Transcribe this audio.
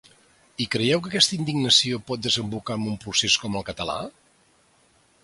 I creieu que aquesta indignació pot desembocar en un procés com el català?